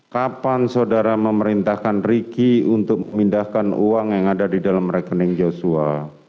kapan saudara memerintahkan riki untuk memindahkan uang yang ada di dalam rekening joshua